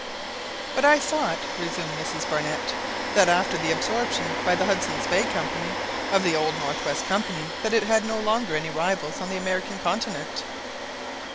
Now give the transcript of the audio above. "But I thought," resumed Mrs Barnett, "that after the absorption by the Hudson's Bay Company of the old North West Company, that it had no longer any rivals on the American continent."